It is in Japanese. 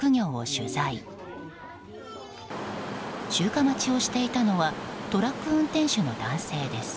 集荷待ちをしていたのはトラック運転手の男性です。